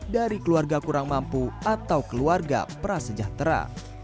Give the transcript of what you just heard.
dari keluarga kurang mampu atau keluarga prasejahtera